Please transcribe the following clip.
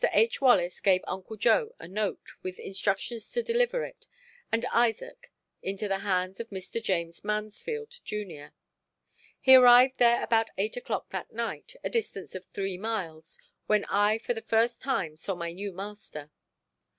H. Wallace gave Uncle Joe a note, with instructions to deliver it and Isaac into the hands of Mr. James Mansfield, jr. He arrived there about eight o'clock that night, a distance of three miles, when I for the first time saw my new master.